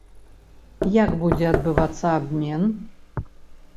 Як будзе адбывацца абмен?